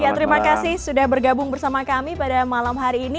ya terima kasih sudah bergabung bersama kami pada malam hari ini